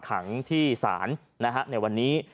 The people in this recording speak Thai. ขังที่ศาลในวันนี้